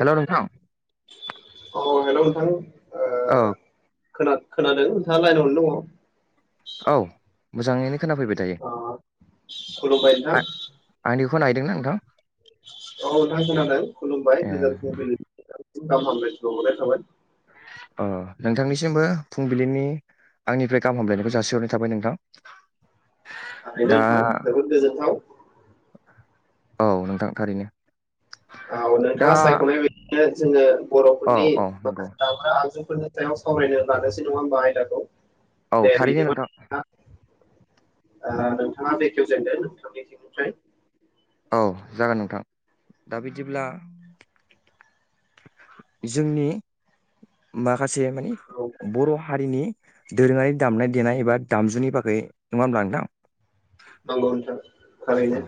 Hello नोंथां औ hello नोंथां। ओ खोना खोनादों नोंथाङा लाइनावनो दङ औ मोजाङैनो खोनाफैबाय दायो ओ खुलुबाय नोंथां। खौनाहैदों ना नोंथां? औ नोंथां खोनादों खुलुमबाय ए गोजोन फुंबिलि। गाहाम हामलायनाय बावहरनाय थाबाय। ओ नोंथांनिसिमबो फुंबिलिनि आंनिफ्राय गाहाम हामलायनायखौ जासिहरनाय थाबाय नोंथां। थारैनो दा नोंथां जोबोद गोजोन्थाव। औ नोंथां थारैनो। औ दा नोंथाङा सायखनाय बायदि नो जोङो औ बरफोरनि औ नंगौ माखासे दामग्रा आगजु फोरनि सायाव सावरायनो लानोसै नङा होमबा आयदाखौ। औ थारैनो नोंथां। ओह नोंथाङा बेखेवजेनदो नोंथांनिथिंनिफ्राय। औ जागोन नोंथां दा बिदिब्ला जोंनि माख माखासे माने औ बर हारिनि दोरोङारि दामनाय देनाय एबा दामजुनि बागै नङा होनब्ला नोंथां। नंगौ नोंथां। थारैनो औ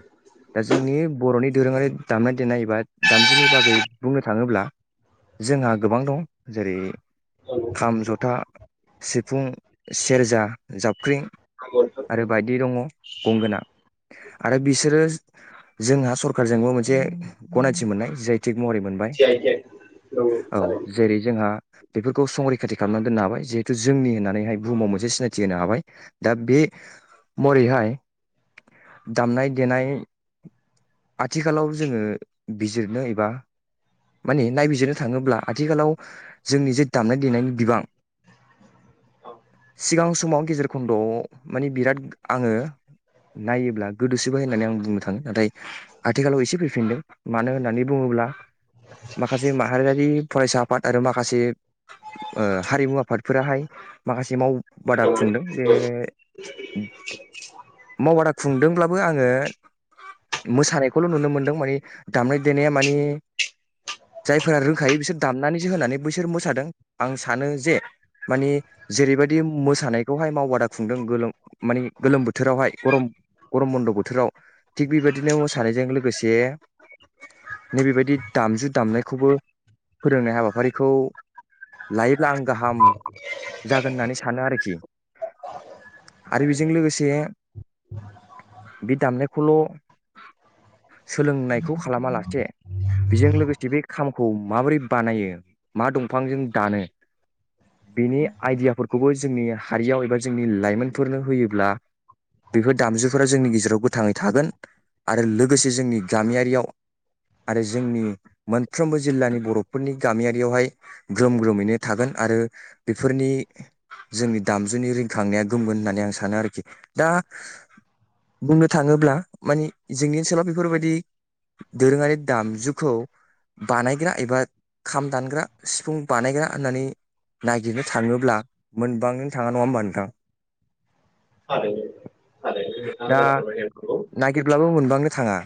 दा जोंनि बरनि दोरोङारि दामनाय देनाय एबा दामजुनि बागै बुंनो थाङोब्ला जोंहा गोबां दं जेरै नंगौ खाम जथा सिफुं सेरजा जाबख्रिं नंगौ नोंथां आरो बायदि दङ गंगोना आरो बिसोरो जोंहा सरखारजोंबो मोनसे गनायथि मोननाय जाय थिग महरै मोनबाय जि आइ टेक नंगौ औ थारैनो जेरै जोंहा बेफोरखौ संरैखाथि खालामनानै दोननो हाबाय जिहेथु जोंनि होननानैहाय बुहुमाव मोनसे सिनायथि होनो हाबाय दा बे मरैहाय दामनाय देनाय आथिखालाव जोङो बिजिरनो एबा माने नायबिजिरनो थाङोब्ला आथिखालाव जोंनि जे दामनाय देनायनि बिबां औ सिगां समाव गेजेर खन्दआव माने बिराद आङो नायोब्ला गोदोसोबाय होननानै आं बुंनो थाङो नाथाय आथिखालाव एसे फैफिनदों मानो होननानै बुङोब्ला माखासे माहारियारि फरायसा आफाद आरो माखासे ओह हारिमु आफादफोराहाय माखासे माव बादा खुंदों बे थारैनो [unintelligible] मावबादा खुंदोंब्लाबो आङो मोसानायखौल नुनो मोनदों माने दामनाय देनाया मानि जायफोरा रोंखायो बिसोर दामनानैसो होनानै बैसोर मोसादों आं सानो जे माने जेरैबायदि मोसानायखौहाय मावबादा खुंदों गोलोम माने गोलोम बोथ बोथोरावहाय गरम गरम बन्द बोथोराव थिग बेबायदिनो मोसानायजों लोगोसे नैबेबायदि दामजु दामनायखौबो फोरोंनाय हाबाफारिखौ लायोब्ला आं गाहाम जागोन होननानै सानो आरोखि आरो बेजों लोगोसे बे दामनायखौल सोलोंनायखौ खालामा लासे बेजों लोगोसे बे खामखौ माबोरै बानायो मा दंफांजों दानो बेनि आइडियाफोरखौबो जोंनि हारियाव एबा जोंनि लाइमोनफोरनो होयोब्ला बेफोर दामजुफोरा जोंनि गेजेराव गोथाङै थागोन आरो लोगोसे जोंनि गामियारियाव आरो जोंनि मोनफ्रोमबो जिल्लानि बर'फोरनि गामियारियावहाय ग्रोम ग्रोमैनो थागोन आरो बेफोरनि जोंनि दामजुनि रिंखांनाया गोमगोन होननानै आं सानो आरोखि। दा बुंनो थाङोब्ला माने जोंनि ओनसोलाव बेफोरबायदि दोरोङारि दामजुखौ बानायग्रा एबा खाम दानग्रा सिफुं बानायग्रा होननानै नागिरनो थाङोब्ला मोनबांनो थाङा नङा होमबा नोंथां? थारैनो थारैनो दा नोंथाङा जा फोरमायदों नंगौ। नागिरब्लाबो मोनबांनो थाङा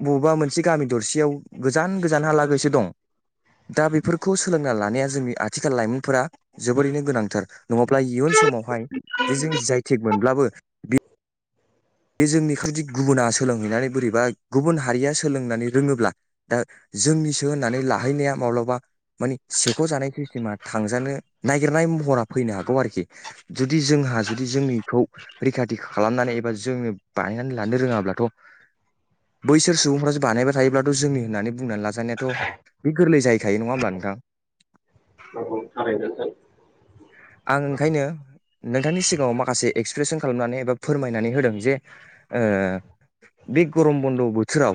बबेबा मोनसे गामि दरसेयाव गोजान गोजानहालागैसो दं दा बेफोरखौ सोलोंना लानाया जोंनि आथिखाल लाइमोनफोरा जोबोरैनो गोनांथार नङाब्ला इयुन समावहाय जे जों जि आइ थेग मोनब्लाबो [inaudible] बे जोंनिखौ जुदि गुबुना सोलोंहैनानै बोरैबा गुबुन हारिया सोलोंनानै रोङोब्ला दा जोंनिसो होननानै लाहैनाया माब्लाबा मानि सेख'जानाय सिस्टेमा थांजानो नागिरनाय महरा फैनो हागौ आरोखि जुदि जोंहा जुदि जोंनिखौ रैखाथि खालामनानै एबा जोंनो बानायनानै लानो रोङाब्लाथ' बैसोर सुबुंफ्रासो बानायबाय थायोब्लाथ' जोंनि होननानै बुंनानै ला जानायाथ' गोरलै जाहैखायो नङा होमब्ला नोंथां? औ औ थारैनो नोंथां। आं ओंखायनो नोंथांनि सिगाङाव माखासे एक्सप्रेसन खालामनानै एबा फोरमायनानै होदों जे ओ बे गर'म बन्द' बोथोराव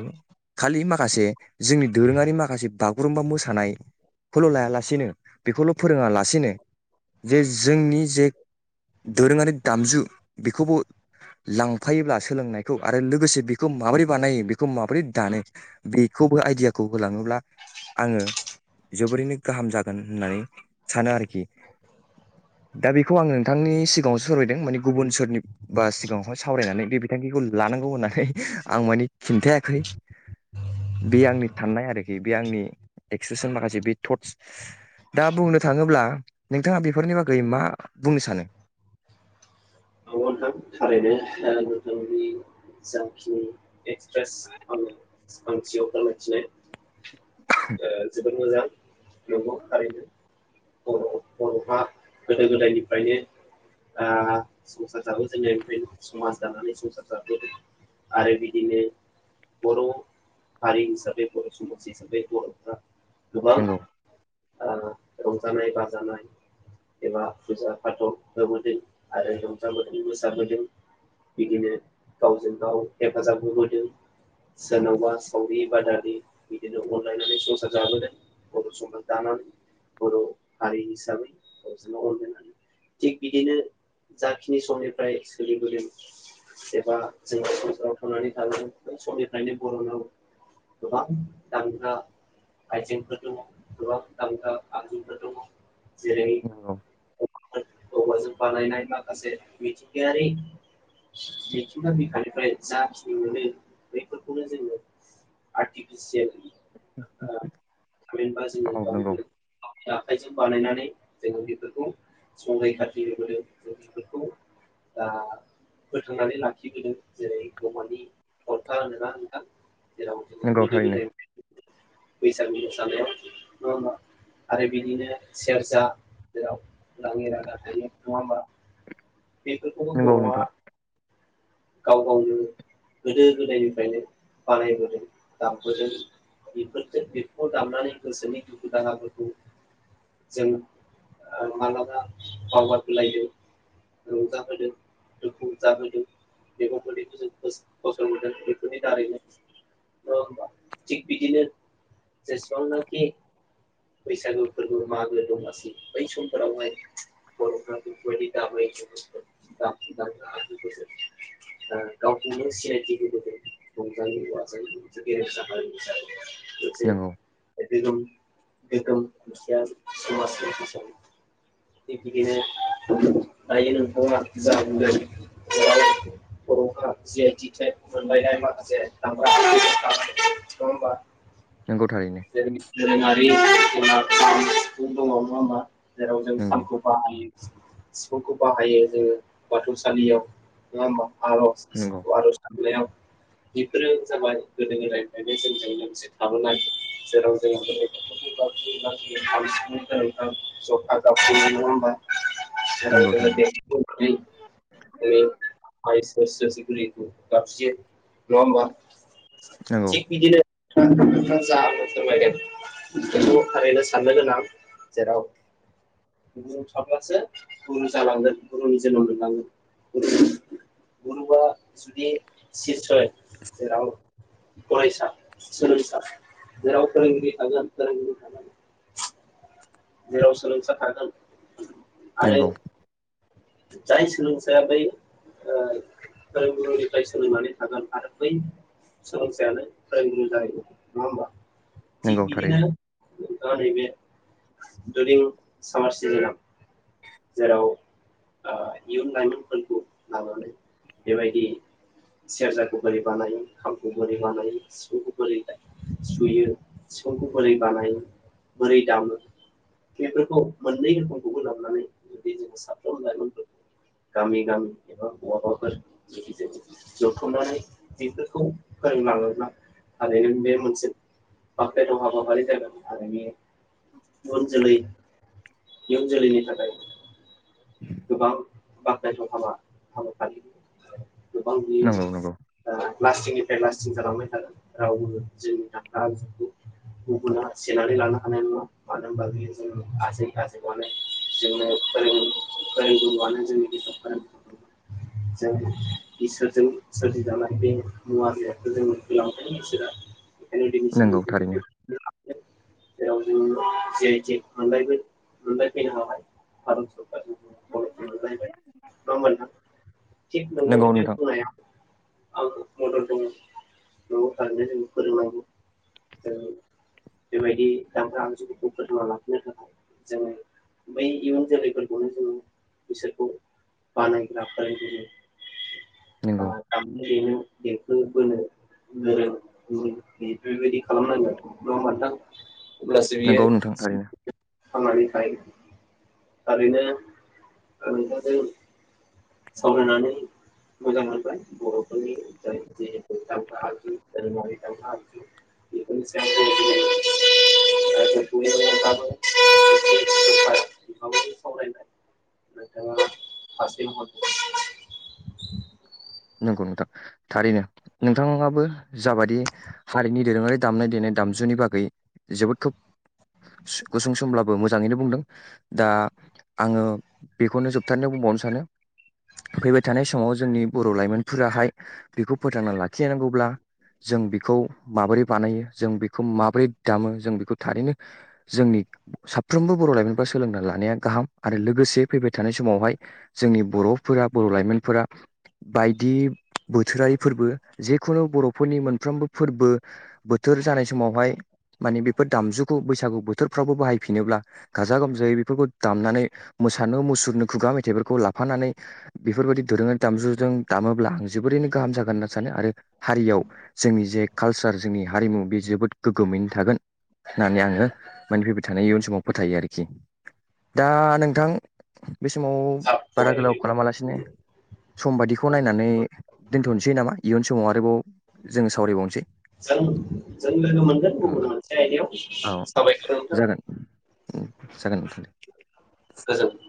खालि माखासे जोंनि दोरोङारि माखासे बागुरुम्बा मोसानायखौल' लायालासेनो बेखौल' फोरोङा लासेनो जे जोंनि जे दोरोङारि दामजु बेखौबो लांफायोब्ला सोलोंनायखौ आरो लोगोसे बेखौ माबोरै बानायो बेखौ माबोरै दानो बेखौबो आइदियाखौ होलाङोब्ला आङो जोबोरैनो गाहाम जागोन होननानै सानो आरोखि। दा बेखौ आं नोंथांनि सिगाङावसो सावरायदों माने गुबुन सोरनि बा सिगाङावहाय सावरायनानै बे बिथांखिखौ लानांगौ होननानै आं मानिे खिन्थायाखै बे आंनि साननाय आरोखि बे आंनि एक्सप्रेसन माखासे बे थट्स दा बुंनो थाङोब्ला नोंथाङा बे बेफोरनि बागै मा बुंनो सानो? नंगौ नोंथां थारैनो नोंथांनि जाखिनि एक्सप्रेस आङो आंथियाव फोरमायथिनाय जोबोद मोजां नंगौ थारैनो बर'हा गोदो गोदायनिफ्रायनो आ संसार जाबो जोंङो ओमफ्राय समाज जानानै संसार जाबोदों आरो बिदिनो बर' हारि हिसाबै बर' समाज हिसाबै बर'फ्रा गोबां नंगौ रंजानाय बाजानाय एबा फुजा फाथ' होबोदों आरो ज मोसाबोदों बिदिनो गावजों गाव हेफाजाब होबोदों सोरनावबा सावरि बादालि बिदिनो अनलायनानै संसार जाबोदों बर' समाज दानानै बर' हारि हिसाबै गावजों गाव अनलायानै थिग बिदिनो जाखिनि समनिफ्राय सोलिबोदों एबा जों कझाराव थांनानै थागोन बै समनिफ्रायनो बर'नाव गोबां दामग्रा आइजेंफोर दङ गोबां दामग्रा आगजुफोर दङ। जेरै नंगौ अऔवाजों बानायनाय ना माखासे मिथिंगायारि मिथिंगा बिखानिफ्राय जाखिनि मोनो बैफोरखौनो जोङो आर्टिफिसियेल औ नंगौ [unintelligible] आखाइजों बानायनानै जोङो बेफोरखौ संग्राय खाथि हेबबोदों। जों बेफोरखौ फोथांनानै लाखिबोदों जेरै औवानि गर्खा नङा होनबा नोंथां। जेराव नंगौ गोदो थारैनो गोदायनिफ्रायनो बैसागु मोसानायाव नङा होमबा आरो बिदिनो सेरजा जेराव राङै रादा थायो नङा होमबा? बेफोरखौबो नंगौ बर'आ नोंथां गाव गावनो गोदो गोदायनिफ्रायनो बानायबोदों दामबोदों बेफोरजों बेफोरखौ दामनानै गोसोनि दुखु दाहाफोरखौ जों मालाबा बावगार होलायदों रंजाहोदों दुखु जाहोदों। [unintelligible] जों फसंबोदों बेफोरनि दारैनो थिग बिदिनो जेसेबांनाखि बैसागो फोरबो मागो दमासि बै समफोरावहाय बर'फ्रा बेफोरबायदि [inaudible] गावखौनो सिनायथि होबोदों रंजायै बाजायै [inaudible] नोंगौ। गोगोम -गोगोम खायसेया समाजस थिग बिदिनो दायो नोंथाङा जा बुंदों [unintelligible] बर'फोरा जि आइ टेकिं मोनलायनाय माखासे दामग्रा आगजु दङ नङा होमबा? नंगौ थारैनो दोरोङारि [unintelligible] नङा होनबा? जेराव जों नंगौ खामखौ बाहायो सिफुंखौ बाहायो जोङो बाथौसालियाव नङा होमबा? नंगौ आर'ज बेयाव बेफोरो जाबाय गोदो गोदायनिफ्रायनो जोंजों लोगोसे थाबोनाय जेरव जों [inaudible] खाम सिफुं जथा, जाबस्रिं नङा होनबा? नंगौ थारैनो [unintelligible] [unintelligible] नङा होमबा? नंगौ थिख बिदिनो [unintelligible] फोरमायदो थारैनो साननो गोनां जेराव गुरु थाब्लासो गुरु जालांगोन गुरुनि जोनोम मोनलांगोन गुरुवआ जुदि सिसय जेराव फरायसा, सोलोंसा जेराव फोरोंगिरि थागोन फोरोंगिरि सेराव सोलोंसा थागोन। आरो नंगौ। जाय सोलोंसाया बै ओ। फोरोंगुरुनिफ्राय सोलोंनानै थागोन आरो बै सोलोंसायानो फोरोंगुरु जाहैगोन नङा होमबा? थिख नंगौ बिदिनो थारैनो दा नैबे दिउरिं सामार सिजोनाव जेराव इयुन ओ लाइमोनफोरखौ लानानै बेबायदि सेरजाखौ बोरै बानायो, खामखौ बोरै बानायो, सिफुंखौ बोरै सुयो, सिफुंखौ बोरै बानायो, बोरै दामो बेफोरखौ मोननै रोखोमखौबो लाबोनानै जुदि जोङो साफ्रोम लाइमोनफोरखौ गामि गामि एबा बहाबाफोर जुदि ज' जथुमनानै बेफोरखौ फोरोंलाङोब्ला थारैनो बे मोनसे बाखायथाव हाबाफारि जागोन आरो बे इयुन जोलै इयुन जोलैनि थाखाय गोबां बाखनायथाव हाबा हाबाफारि। गोबां दिनो नंगौ नंगौ ओ [unintelligible] लास्टिं जालांबाय थागोन रावबो जोंनि हा हुखौ गुबुना सेनानै लानो हानाय नङा मानो होनबा बेयो जोंनि आजै -आजौयानो जोंनो फोरों गुरुआनो जोंनि गोसो फोरों जों इसोरजों सोरजिजानाय बे मुवा -बेसखौ जों रावबो नंगौ थारैनो सेना [unintelligible] [unintelligible] मोनलबाय ना मोना थिग नगौ नंगौ बे नोंथां बुंनाया आंखौ मदद दङ न'आव थारैनो जों फोरोंनांगौ जों बेबायदि गामग्रा आनजुफोरखौ फोथांना लाखिनो थाखाय जोङो बै इयुन जोलैफोरखौ बेखौनो जोङो बिसोरखौ बानायग्रा फोरोंगिरि नंगौ [unintelligible] देंखो बोनो गोरों गुबुननि बेबायदि खालामनांगोन नङा होनबा नोंथां? अब्लासो बियो नोंगौ नोंथां थारैनो। [unintelligible] थारैनो ओ नोंथांजों सावरायनानै मोजां मोनबाय बर'फोरनि जाय जे दामफा आगजु धोरमारि दामफा आजु बेफोरनि सायाव जोङो नंगौ नोंथां थारैनो नोंथाङाबो जाबादि हारिनि दोरोङारि दामनाय देनाय दामजुनि बागै जोबोद खोब गुसुं समब्लाबो मोजाङैनो बुंदों दा आङो बेखौनो जोबथारनायाव बुंबावनो सानो फैबाय थानाय समाव जोंनि। बर' लाइमोनफोराहाय बेखौ फोथांना लाखिनांगौब्ला जों बेखौ माबोरै बानायो जों बेखौ माबोरै दामो जों बेखौ थारैनो जोंनि साफ्रोमबो बर' लाइमोनफ्रा सोलोंना लानाया गाहाम आरो लोगोसे फैबाय थानाय समावहाय जोंनि बर'फोरा बर' लाइमोनफोरा। बायदि बोथोरारि फोरबो जेखुनु बर'फोरनि मोनफ्रोमबो फोरबो बोथोर जानाय समावहाय मानि बेफोर दामजुखौ बैसागु बोथोरफ्रावबो बाहायफिनोब्ला गाजा गोमजायै बेफोरखौ दामनानै मोसानो मुसुरनो खुगा मेथाइफोरखौ लाफानानै बेफोरबायाददि दोरोङारि दामजु जों दामोब्ला आं जोबोरैनो गाहाम जागोन होनना सानो आरो हारियाव जोंनि जे कालसार जोंनि हारिमु बे जोबोद गोग्गोमैनो थागोन होननानै आङो मानि फैबाय थानाय इयुन समाव फोथायो आरोखि दा नोंथां बे समाव बारा महरखौहाय गोलाव जों खालामालासिनो। बेखौ नायनानै। दोनथ'नोसै नामा इयुन समाव आरोबाव जोङो सावरायबावनोसै। जों जों लोगो मोनगोन ओ, गुबुन मोनसे आयदायाव औ साबायखर नोंथां। जागोन जागोन नोंथां दे। गोजोन।